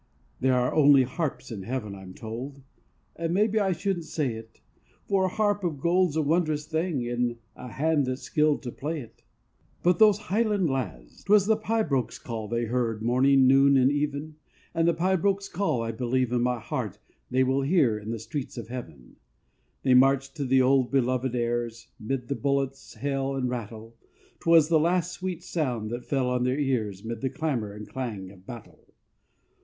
There are only harps in heaven, I'm told, And maybe I shouldn't say it, For a harp of gold's a wondrous thing In a hand that's skilled to play it. But those highland lads, 'twas the pibroch's call They heard morning, noon, and even, And the pibroch's call, I believe in my heart, They will hear in the streets of heaven. They marched to the old belovèd airs 'Mid the bullets' hail and rattle; 'Twas the last sweet sound that fell on their ears 'Mid the clamor and clang of battle.